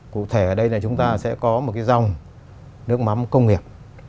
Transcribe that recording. cụ thể ở đây là chúng ta sẽ có một cái dòng nước mắm công nghiệp